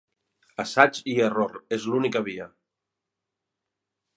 Assaig i error. És l'única via.